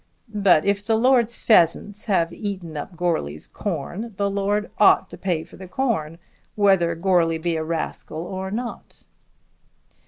But if the lord's pheasants have eaten up Goarly's corn, the lord ought to pay for the corn whether Goarly be a rascal or not."